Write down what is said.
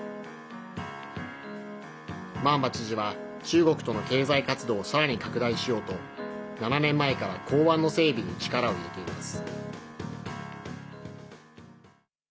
マンバ知事は中国との経済活動をさらに拡大しようと７年前から港湾の整備に力を入れています。